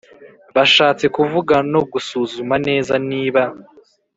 Bashatse kuvuga no gusuzuma neza niba